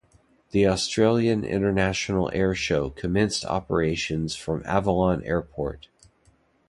The Australian International Airshow commenced operations from Avalon Airport.